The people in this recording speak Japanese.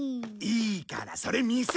いいからそれ見せろ！